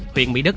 huyện mỹ đức